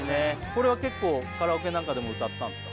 これは結構カラオケなんかでも歌ったんすか？